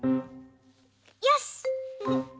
よし！